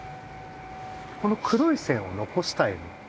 この黒い線を残したいの。